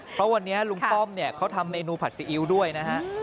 เพราะวันนี้ลุงป้อมเนี่ยเขาทำเมนูผัดซีอิ๊วด้วยนะฮะ